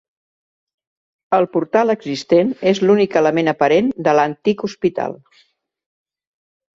El portal existent és l'únic element aparent de l'antic hospital.